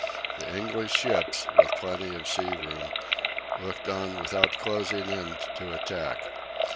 The English ships, with plenty of sea room, looked on without closing in to attack.